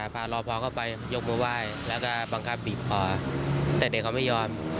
รอพอเข้าไปยกมือไหว้แล้วก็บังคับบีบคอแต่เด็กเขาไม่ยอม